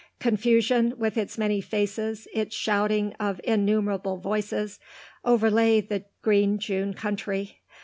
Confusion, with its many faces, its shouting of innumerable voices, overlay the green June country.